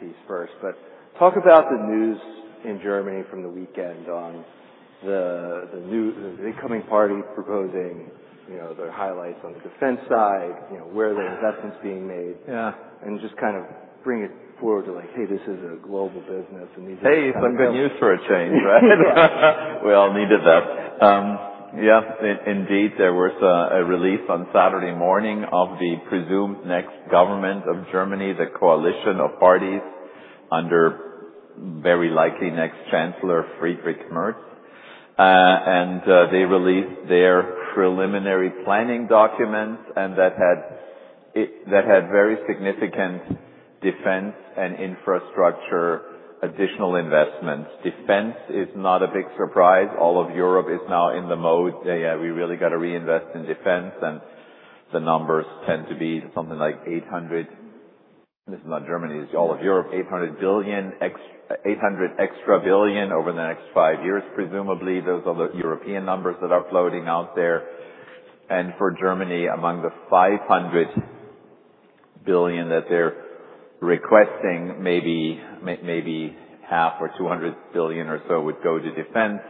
NIH piece first, but talk about the news in Germany from the weekend on the incoming party proposing their highlights on the defense side, where the investment's being made, and just kind of bring it forward to, like, "Hey, this is a global business," and these are the. Hey, some good news for a change, right? We all needed that. Yeah, indeed, there was a relief on Saturday morning of the presumed next government of Germany, the coalition of parties under very likely next Chancellor Friedrich Merz, and they released their preliminary planning documents, and that had very significant defense and infrastructure additional investments. Defense is not a big surprise. All of Europe is now in the mode, "Yeah, we really got to reinvest in defense," and the numbers tend to be something like 800 billion—this is not Germany; it is all of Europe—EUR 800 billion extra over the next five years, presumably. Those are the European numbers that are floating out there. For Germany, among the 500 billion that they are requesting, maybe half or 200 billion or so would go to defense.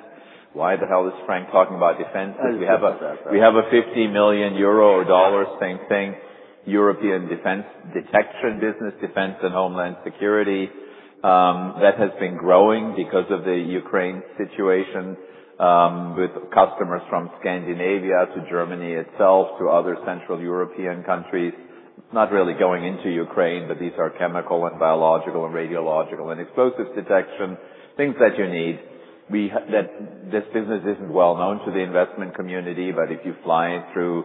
Why the hell is Frank talking about defense? I think he said that. We have a 50 million euro or $50 million—same thing—European defense detection business, defense and homeland security. That has been growing because of the Ukraine situation with customers from Scandinavia to Germany itself to other Central European countries, not really going into Ukraine, but these are chemical and biological and radiological and explosives detection, things that you need. This business isn't well known to the investment community, but if you fly through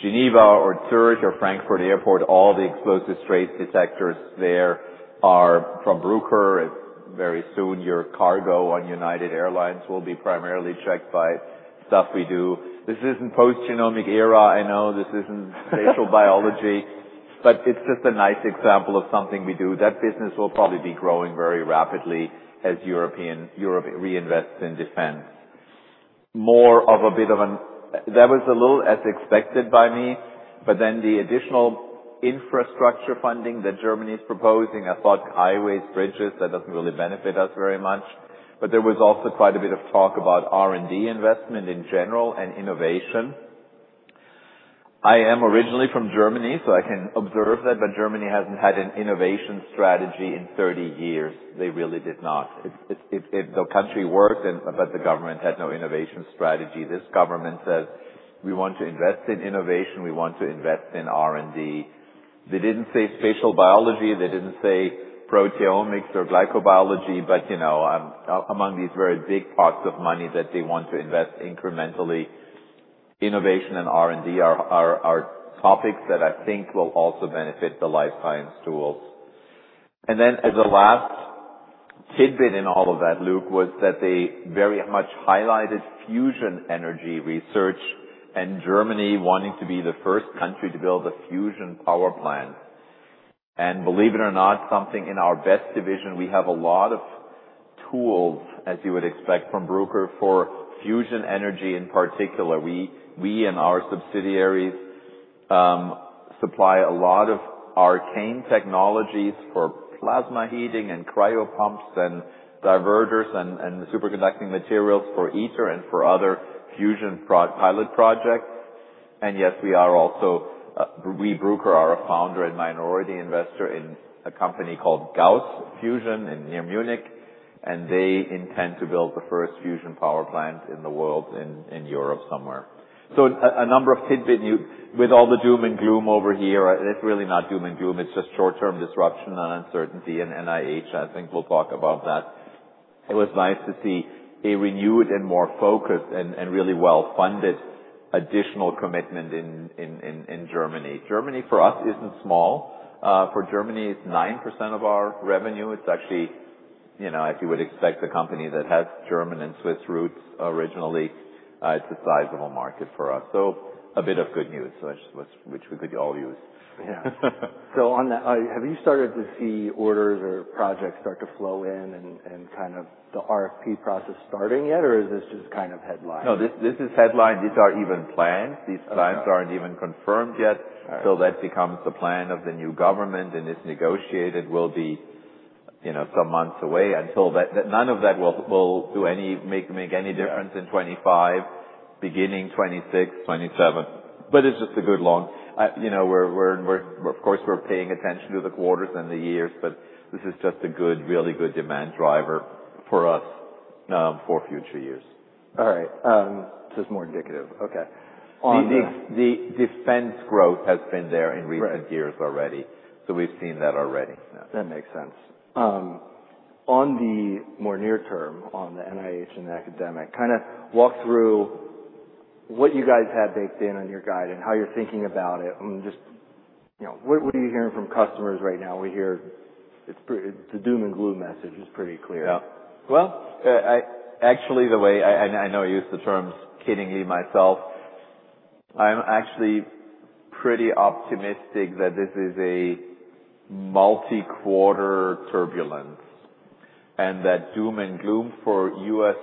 Geneva or Zürich or Frankfurt Airport, all the explosive trace detectors there are from Bruker. Very soon, your cargo on United Airlines will be primarily checked by stuff we do. This isn't post-genomic era, I know. This isn't spatial biology, but it's just a nice example of something we do. That business will probably be growing very rapidly as Europe reinvests in defense. More of a bit of an—that was a little as expected by me, but then the additional infrastructure funding that Germany's proposing, I thought highways, bridges, that doesn't really benefit us very much, but there was also quite a bit of talk about R&D investment in general and innovation. I am originally from Germany, so I can observe that, but Germany hasn't had an innovation strategy in 30 years. They really did not. The country worked, but the government had no innovation strategy. This government says, "We want to invest in innovation. We want to invest in R&D." They didn't say spatial biology. They didn't say proteomics or glycobiology, but among these very big pots of money that they want to invest incrementally, innovation and R&D are topics that I think will also benefit the life science tools. As a last tidbit in all of that, Luke, they very much highlighted fusion energy research and Germany wanting to be the first country to build a fusion power plant. Believe it or not, something in our best division, we have a lot of tools, as you would expect from Bruker, for fusion energy in particular. We and our subsidiaries supply a lot of arcane technologies for plasma heating and cryopumps and divertors and superconducting materials for ITER and for other fusion pilot projects. Yes, we are also—we, Bruker, are a founder and minority investor in a company called Gauss Fusion near Munich, and they intend to build the first fusion power plant in the world in Europe somewhere. A number of tidbit with all the doom and gloom over here, and it's really not doom and gloom. It's just short-term disruption and uncertainty and NIH. I think we'll talk about that. It was nice to see a renewed and more focused and really well-funded additional commitment in Germany. Germany for us isn't small. For Germany, it's 9% of our revenue. It's actually, as you would expect, a company that has German and Swiss roots originally. It's a sizable market for us. So a bit of good news, which we could all use. Yeah. Have you started to see orders or projects start to flow in and kind of the RFP process starting yet, or is this just kind of headline? No, this is headline. These are even plans. These plans are not even confirmed yet. That becomes the plan of the new government, and it is negotiated. It will be some months away until that. None of that will make any difference in 2025, beginning 2026, 2027. It is just a good long—of course, we are paying attention to the quarters and the years, but this is just a good, really good demand driver for us for future years. All right. This is more indicative. Okay. The defense growth has been there in recent years already. We have seen that already. That makes sense. On the more near-term, on the NIH and the academic, kind of walk through what you guys have baked in on your guide and how you're thinking about it. Just what are you hearing from customers right now? We hear the doom and gloom message is pretty clear. Yeah. Actually, the way I know I use the terms kiddingly myself, I'm actually pretty optimistic that this is a multi-quarter turbulence and that doom and gloom for U.S.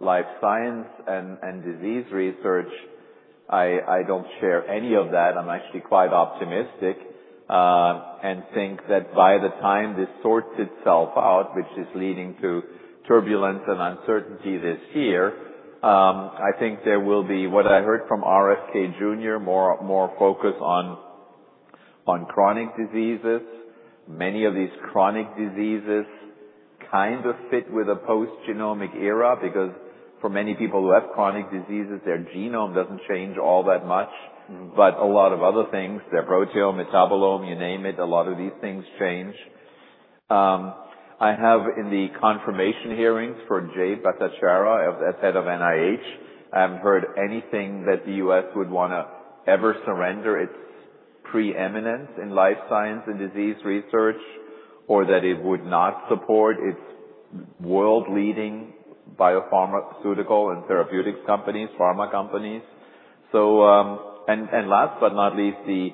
life science and disease research. I don't share any of that. I'm actually quite optimistic and think that by the time this sorts itself out, which is leading to turbulence and uncertainty this year, I think there will be what I heard from RFK Jr., more focus on chronic diseases. Many of these chronic diseases kind of fit with a post-genomic era because for many people who have chronic diseases, their genome doesn't change all that much, but a lot of other things, their proteome, metabolome, you name it, a lot of these things change. I have in the confirmation hearings for Jay Bhattacharya as head of NIH, I haven't heard anything that the U.S. would want to ever surrender its preeminence in life science and disease research or that it would not support its world-leading biopharmaceutical and therapeutics companies, pharma companies. Last but not least, the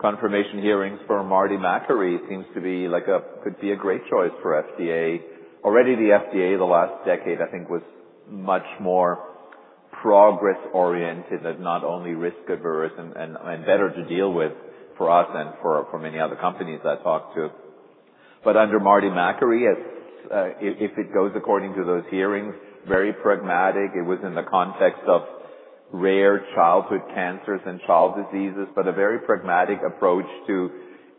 confirmation hearings for Marty Makary seem to be like a could be a great choice for FDA. Already, the FDA the last decade, I think, was much more progress-oriented and not only risk-averse and better to deal with for us and for many other companies I talked to. Under Marty Makary, if it goes according to those hearings, very pragmatic. It was in the context of rare childhood cancers and child diseases, but a very pragmatic approach to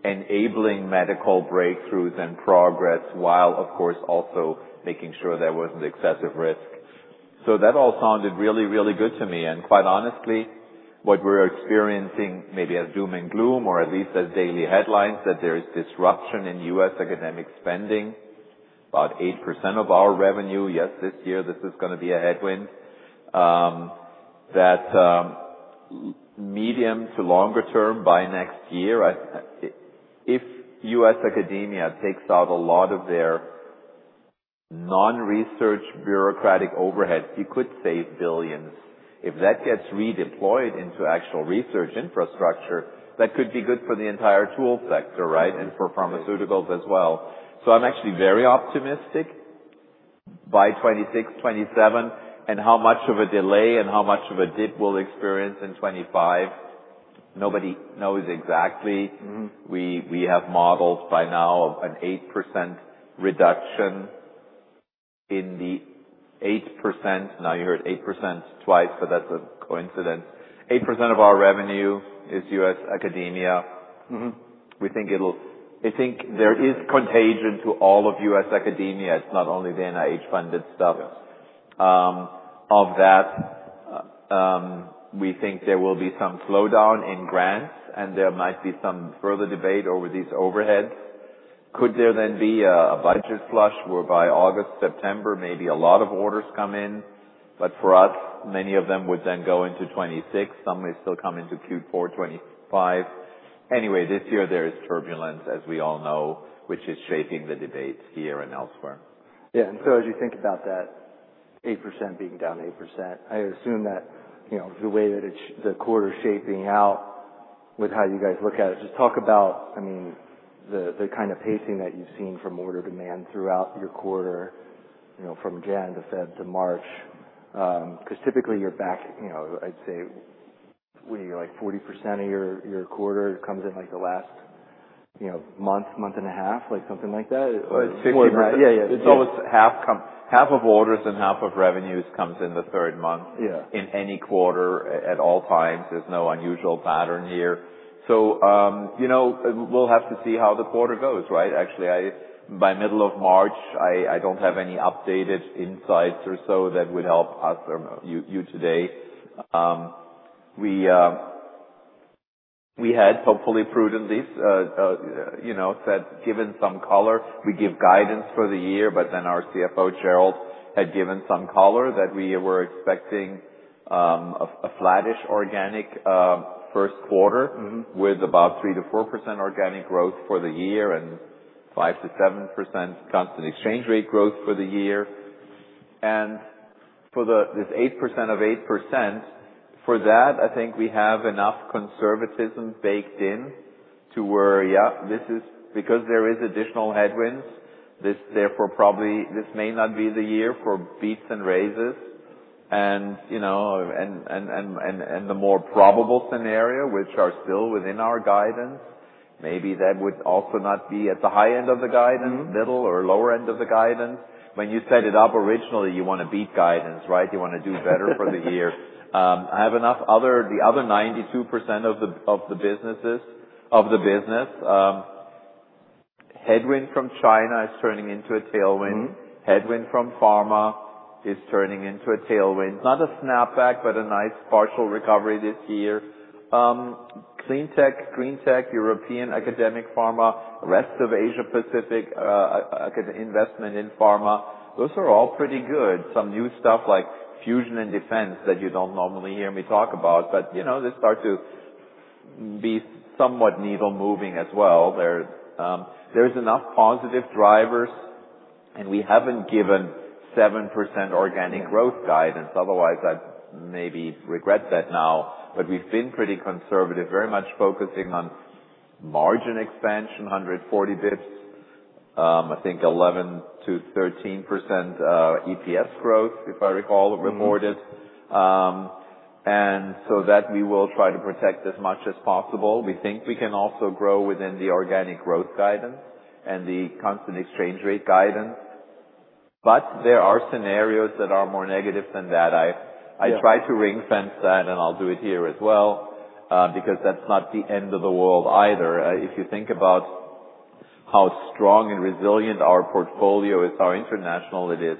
enabling medical breakthroughs and progress while, of course, also making sure there was not excessive risk. That all sounded really, really good to me. Quite honestly, what we're experiencing, maybe as doom and gloom or at least as daily headlines, that there is disruption in U.S. academic spending, about 8% of our revenue. Yes, this year, this is going to be a headwind. That medium to longer term by next year, if U.S. academia takes out a lot of their non-research bureaucratic overhead, you could save billions. If that gets redeployed into actual research infrastructure, that could be good for the entire tool sector, right, and for pharmaceuticals as well. I'm actually very optimistic by 2026, 2027, and how much of a delay and how much of a dip we'll experience in 2025, nobody knows exactly. We have modeled by now an 8% reduction in the 8%. Now you heard 8% twice, but that's a coincidence. 8% of our revenue is U.S. academia. We think it'll—I think there is contagion to all of U.S. academia. It's not only the NIH-funded stuff. Of that, we think there will be some slowdown in grants, and there might be some further debate over these overheads. Could there then be a budget flush whereby August, September, maybe a lot of orders come in, but for us, many of them would then go into 2026. Some may still come into Q4 2025. Anyway, this year, there is turbulence, as we all know, which is shaping the debates here and elsewhere. Yeah. As you think about that 8% being down 8%, I assume that the way that the quarter is shaping out with how you guys look at it, just talk about, I mean, the kind of pacing that you've seen from order demand throughout your quarter from January to February to March, because typically you're back, I'd say, what are you, like 40% of your quarter comes in like the last month, month and a half, like something like that? It's 60%. Yeah, yeah. It's almost half of orders and half of revenues comes in the third month in any quarter at all times. There's no unusual pattern here. We'll have to see how the quarter goes, right? Actually, by middle of March, I don't have any updated insights or so that would help us or you today. We had, hopefully, prudently said, given some color. We give guidance for the year, but then our CFO, Gerald, had given some color that we were expecting a flattish organic first quarter with about 3-4% organic growth for the year and 5-7% constant exchange rate growth for the year. For this 8% of 8%, for that, I think we have enough conservatism baked in to where, yeah, this is because there is additional headwinds, therefore probably this may not be the year for beats and raises. The more probable scenario, which are still within our guidance, maybe that would also not be at the high end of the guidance, middle or lower end of the guidance. When you set it up originally, you want to beat guidance, right? You want to do better for the year. I have enough other—the other 92% of the business. Headwind from China is turning into a tailwind. Headwind from pharma is turning into a tailwind. Not a snapback, but a nice partial recovery this year. Cleantech, green-tech, European academic pharma, rest of Asia-Pacific investment in pharma, those are all pretty good. Some new stuff like fusion and defense that you do not normally hear me talk about, but they start to be somewhat needle-moving as well. There are enough positive drivers, and we have not given 7% organic growth guidance. Otherwise, I maybe regret that now, but we've been pretty conservative, very much focusing on margin expansion, 140 basis points, I think 11%-13% EPS growth, if I recall, reported. That we will try to protect as much as possible. We think we can also grow within the organic growth guidance and the constant exchange rate guidance, but there are scenarios that are more negative than that. I tried to ring-fence that, and I'll do it here as well because that's not the end of the world either. If you think about how strong and resilient our portfolio is, how international it is,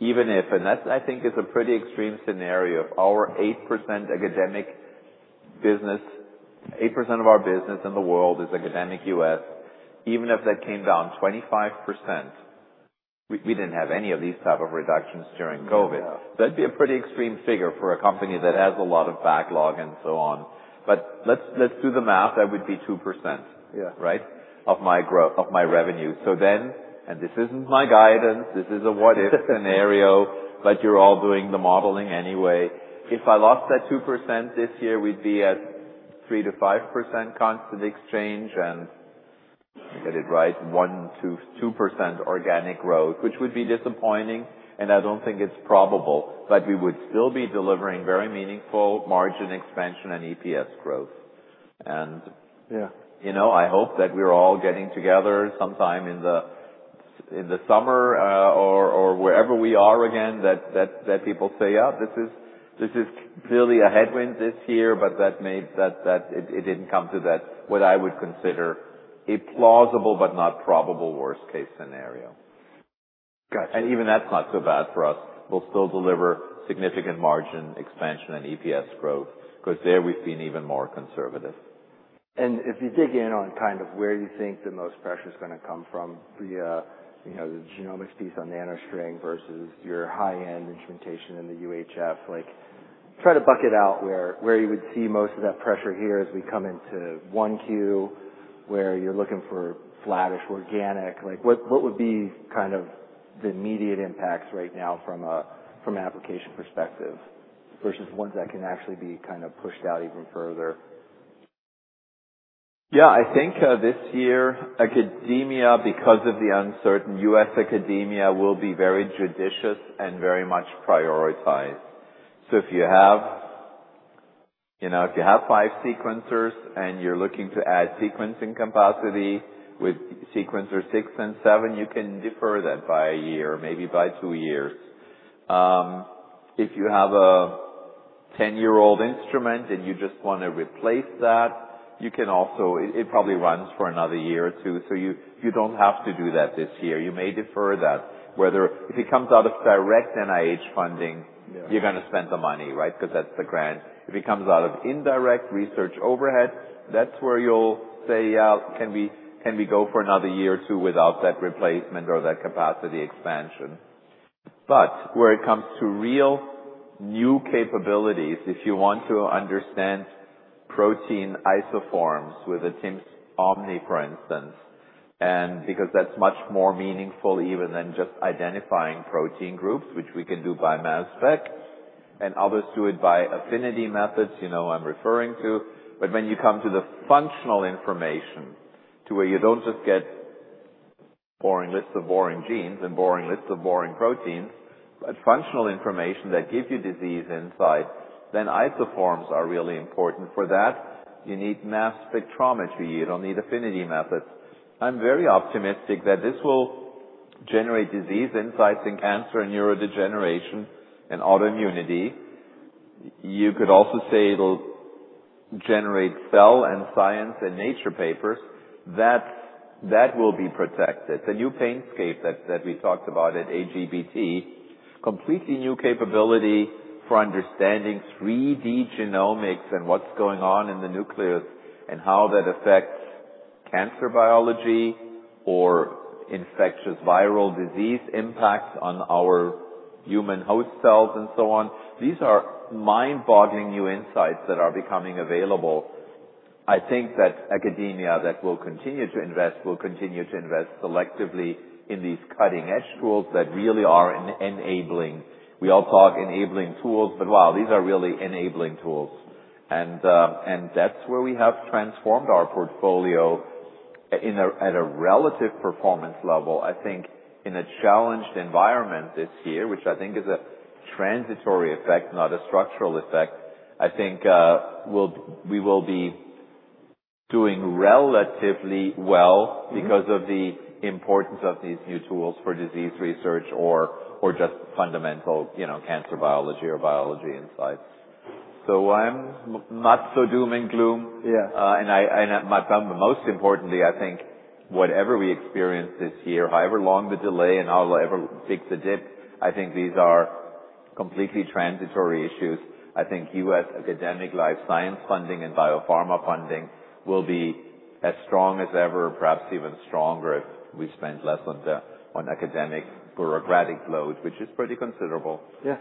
even if—and that, I think, is a pretty extreme scenario. If our 8% academic business, 8% of our business in the world is academic U.S., even if that came down 25%, we didn't have any of these type of reductions during COVID. That'd be a pretty extreme figure for a company that has a lot of backlog and so on. Let's do the math. That would be 2%, right, of my revenue. This isn't my guidance. This is a what-if scenario, but you're all doing the modeling anyway. If I lost that 2% this year, we'd be at 3-5% constant exchange and, to get it right, 1-2% organic growth, which would be disappointing. I don't think it's probable, but we would still be delivering very meaningful margin expansion and EPS growth. I hope that we're all getting together sometime in the summer or wherever we are again, that people say, "Yeah, this is clearly a headwind this year," but that it didn't come to that, what I would consider a plausible but not probable worst-case scenario. Even that's not so bad for us. We'll still deliver significant margin expansion and EPS growth because there we've been even more conservative. If you dig in on kind of where you think the most pressure is going to come from, the genomics piece on NanoString versus your high-end instrumentation in the UHF, try to bucket out where you would see most of that pressure here as we come into Q1, where you're looking for flattish organic. What would be kind of the immediate impacts right now from an application perspective versus ones that can actually be kind of pushed out even further? Yeah. I think this year, academia, because of the uncertain U.S. academia, will be very judicious and very much prioritized. If you have five sequencers and you're looking to add sequencing capacity with sequencers six and seven, you can defer that by a year, maybe by two years. If you have a 10-year-old instrument and you just want to replace that, you can also—it probably runs for another year or two, so you don't have to do that this year. You may defer that. If it comes out of direct NIH funding, you're going to spend the money, right, because that's the grant. If it comes out of indirect research overhead, that's where you'll say, "Yeah, can we go for another year or two without that replacement or that capacity expansion?" Where it comes to real new capabilities, if you want to understand protein isoforms with a timsOmni, for instance, and because that's much more meaningful even than just identifying protein groups, which we can do by mass spec, and others do it by affinity methods I'm referring to. When you come to the functional information to where you don't just get boring lists of boring genes and boring lists of boring proteins, but functional information that gives you disease insight, then isoforms are really important. For that, you need mass spectrometry. You don't need affinity methods. I'm very optimistic that this will generate disease insights in cancer and neurodegeneration and autoimmunity. You could also say it'll generate Cell and Science and Nature papers. That will be protected. The new PaintScape that we talked about at AGBT, completely new capability for understanding 3D genome and what's going on in the nucleus and how that affects cancer biology or infectious viral disease impacts on our human host cells and so on. These are mind-boggling new insights that are becoming available. I think that academia that will continue to invest will continue to invest selectively in these cutting-edge tools that really are enabling. We all talk enabling tools, but wow, these are really enabling tools. That is where we have transformed our portfolio at a relative performance level. I think in a challenged environment this year, which I think is a transitory effect, not a structural effect, I think we will be doing relatively well because of the importance of these new tools for disease research or just fundamental cancer biology or biology insights. I am not so doom and gloom. Most importantly, I think whatever we experience this year, however long the delay and however big the dip, I think these are completely transitory issues. I think U.S. academic life science funding and biopharma funding will be as strong as ever, perhaps even stronger if we spend less on academic bureaucratic load, which is pretty considerable. Yeah.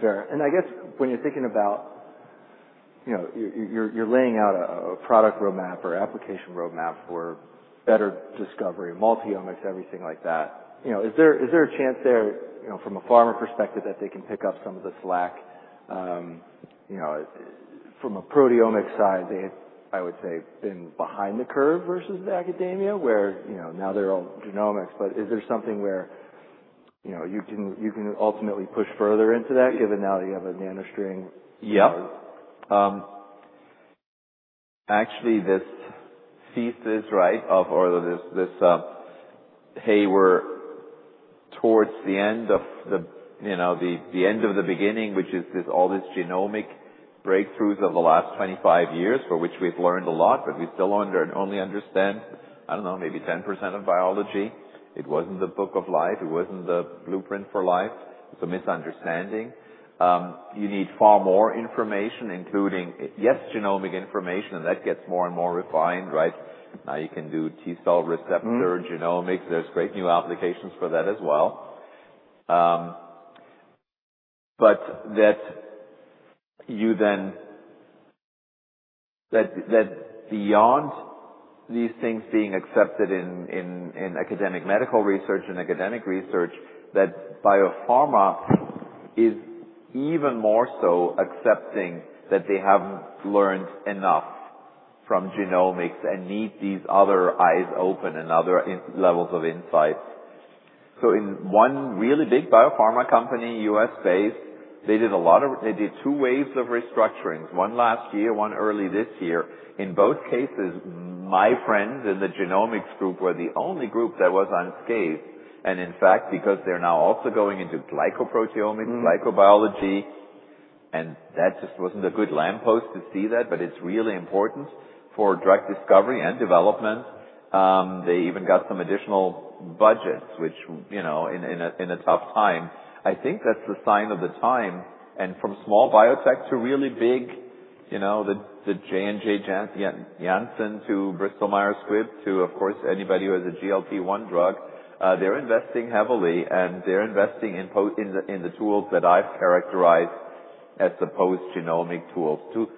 Fair. I guess when you're thinking about you're laying out a product roadmap or application roadmap for better discovery, multi-omics, everything like that, is there a chance there from a pharma perspective that they can pick up some of the slack? From a proteomics side, they had, I would say, been behind the curve versus the academia where now they're all genomics, but is there something where you can ultimately push further into that given now that you have a NanoString? Yeah. Actually, this thesis, right, or this hey, we're towards the end of the end of the beginning, which is all these genomic breakthroughs of the last 25 years for which we've learned a lot, but we still only understand, I don't know, maybe 10% of biology. It wasn't the book of life. It wasn't the blueprint for life. It's a misunderstanding. You need far more information, including, yes, genomic information, and that gets more and more refined, right? Now you can do T-cell receptor genomics. There's great new applications for that as well. That beyond these things being accepted in academic medical research and academic research, that biopharma is even more so accepting that they haven't learned enough from genomics and need these other eyes open and other levels of insight. In one really big biopharma company, U.S.-based, they did two waves of restructurings, one last year, one early this year. In both cases, my friends in the genomics group were the only group that was unscathed. In fact, because they're now also going into glycoproteomics, glycobiology, and that just wasn't a good lamppost to see that, but it's really important for drug discovery and development. They even got some additional budgets, which in a tough time, I think that's the sign of the time. From small biotech to really big, the J&J (Janssen) to Bristol Myers Squibb to, of course, anybody who has a GLP-1 drug, they're investing heavily, and they're investing in the tools that I've characterized as the post-genomic tools to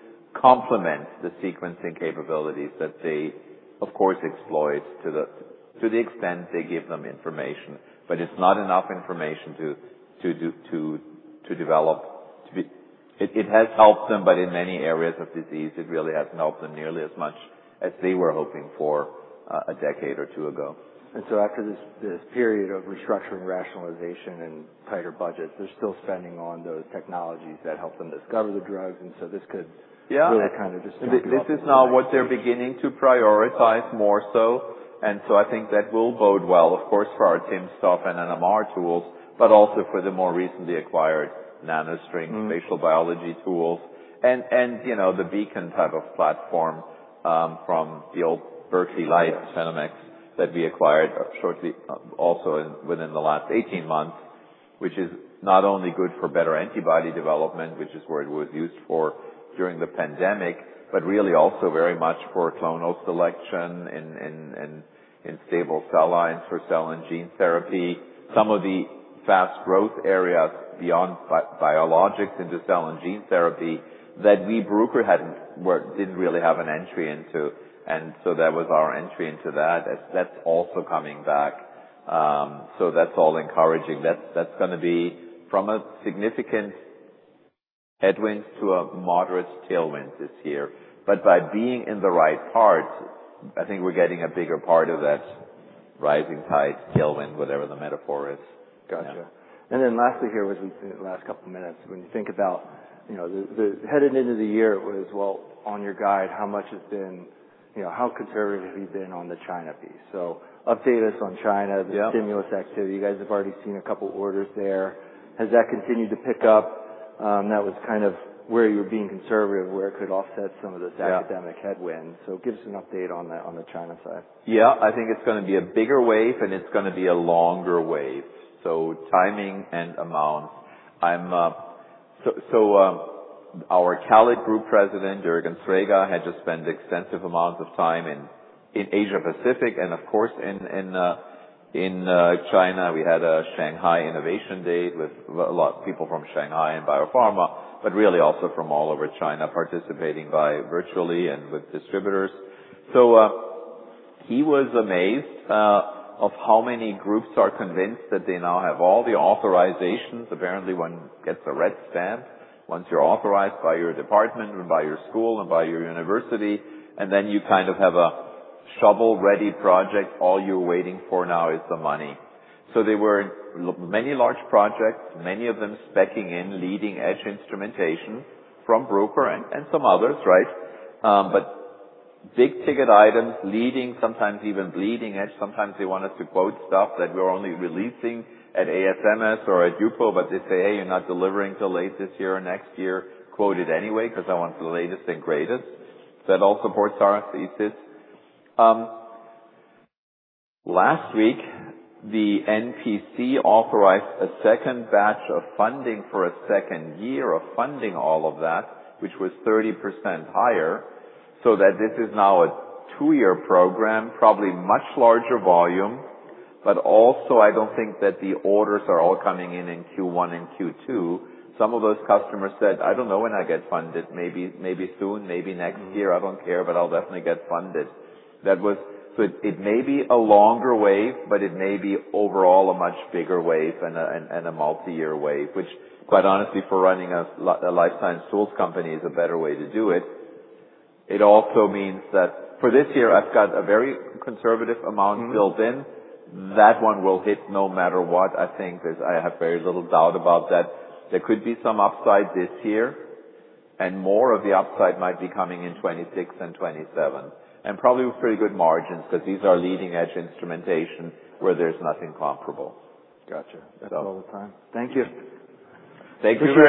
complement the sequencing capabilities that they, of course, exploit to the extent they give them information. It is not enough information to develop. It has helped them, but in many areas of disease, it really has not helped them nearly as much as they were hoping for a decade or two ago. After this period of restructuring, rationalization, and tighter budgets, they're still spending on those technologies that help them discover the drugs. This could really kind of just. This is now what they're beginning to prioritize more so. I think that will bode well, of course, for our timsTOF and NMR tools, but also for the more recently acquired NanoString spatial biology tools and the Beacon type of platform from the old Berkeley Lights that we acquired shortly also within the last 18 months, which is not only good for better antibody development, which is where it was used for during the pandemic, but really also very much for clonal selection and stable cell lines for cell and gene therapy. Some of the fast growth areas beyond biologics into cell and gene therapy that we at Bruker did not really have an entry into. That was our entry into that. That is also coming back. That is all encouraging. That is going to be from a significant headwind to a moderate tailwind this year. By being in the right part, I think we're getting a bigger part of that rising tide tailwind, whatever the metaphor is. Gotcha. Lastly here, in the last couple of minutes, when you think about heading into the year, it was, on your guide, how much has been, how conservative have you been on the China piece? Update us on China, the stimulus activity. You guys have already seen a couple of orders there. Has that continued to pick up? That was kind of where you were being conservative, where it could offset some of this academic headwind. Give us an update on the China side. Yeah. I think it's going to be a bigger wave, and it's going to be a longer wave. Timing and amounts. Our CALID Group President, Juergen Srega, had just spent extensive amounts of time in Asia-Pacific and, of course, in China. We had a Shanghai Innovation Day with a lot of people from Shanghai and biopharma, but really also from all over China participating virtually and with distributors. He was amazed at how many groups are convinced that they now have all the authorizations. Apparently, one gets a red stamp once you're authorized by your department and by your school and by your university. You kind of have a shovel-ready project. All you're waiting for now is the money. There were many large projects, many of them specking in leading-edge instrumentation from Bruker and some others, right? Big-ticket items, leading, sometimes even bleeding-edge. Sometimes they want us to quote stuff that we're only releasing at ASMS or at HUPO, but they say, "Hey, you're not delivering till late this year or next year. Quote it anyway because I want the latest and greatest." That all supports our thesis. Last week, the NPC authorized a second batch of funding for a second year of funding all of that, which was 30% higher, so this is now a two-year program, probably much larger volume. I don't think that the orders are all coming in in Q1 and Q2. Some of those customers said, "I don't know when I get funded. Maybe soon, maybe next year. I don't care, but I'll definitely get funded. It may be a longer wave, but it may be overall a much bigger wave and a multi-year wave, which, quite honestly, for running a life science tools company is a better way to do it. It also means that for this year, I've got a very conservative amount built in. That one will hit no matter what. I think I have very little doubt about that. There could be some upside this year, and more of the upside might be coming in 2026 and 2027, and probably with pretty good margins because these are leading-edge instrumentation where there's nothing comparable. Gotcha. That's all the time. Thank you. Thank you.